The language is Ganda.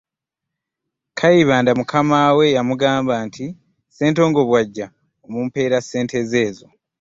Kayibanda mukama we yamugamba nti Ssentongo bw’ajja omumpeera ssente ezo.